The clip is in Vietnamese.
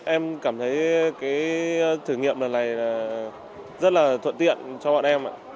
em cảm thấy cái thử nghiệm lần này rất là thuận tiện cho bọn em